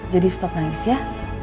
jadi stop nangis ya